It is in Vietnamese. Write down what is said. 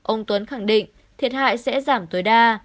ông tuấn khẳng định thiệt hại sẽ giảm tối đa